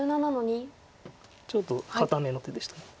ちょっと堅めの手でした。